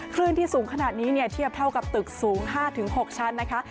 คลื่นที่สูงขนาดนี้เนี่ยเทียบเท่ากับตึกสูง๕๖ชั้นนะคะ